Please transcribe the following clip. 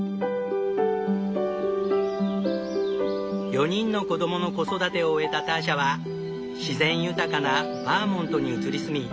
４人の子供の子育てを終えたターシャは自然豊かなバーモントに移り住み